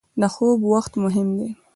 • د خوب وخت مهم دی.